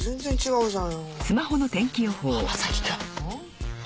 うん。